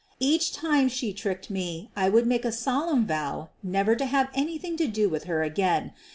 Each time she tricked me I would make a solemn vow never to have anything to do with her again.